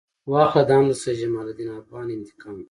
واخله دا هم د سید جمال الدین افغاني انتقام.